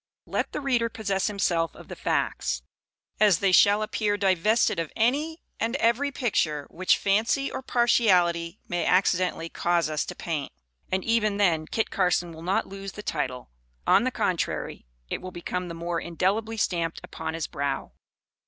Let the reader possess himself of the facts, as they shall appear divested of any and every picture which fancy or partiality may accidentally cause us to paint, and even then Kit Carson will not lose the title. On the contrary, it will become the more indelibly stamped upon his brow.